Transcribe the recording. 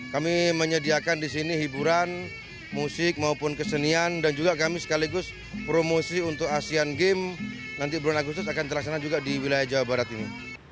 kami menyediakan di sini hiburan musik maupun kesenian dan juga kami sekaligus promosi untuk asean games nanti bulan agustus akan terlaksana juga di wilayah jawa barat ini